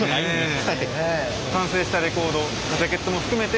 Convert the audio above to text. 完成したレコードジャケットも含めて